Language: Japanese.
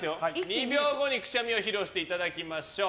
２秒後にくしゃみを披露していただきましょう。